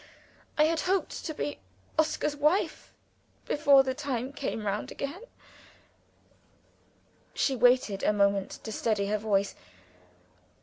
I had hoped to be Oscar's wife before the time came round again " she waited a moment to steady her voice.